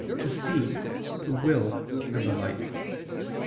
"to see," "to will," and the like.